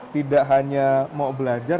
tidak hanya mau belajar